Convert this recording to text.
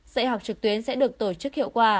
dạy học trực tuyến sẽ được tổ chức hiệu quả